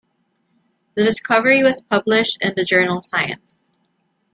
The discovery was published in the journal Science.